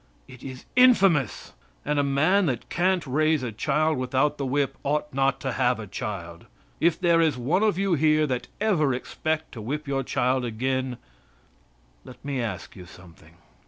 It is infamous, and a man that can't raise a child without the whip ought not to have a child. If there is one of you here that ever expect to whip your child again, let me ask you something.